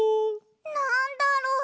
なんだろう？